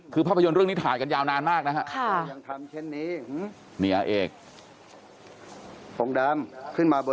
คือภาพยนตร์เรื่องนี้ถ่ายกันยาวนานมากนะครับ